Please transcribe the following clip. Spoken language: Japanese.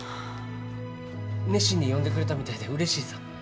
熱心に読んでくれたみたいでうれしいさ。